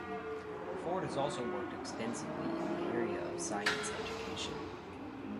Forde has also worked extensively in the area of science education.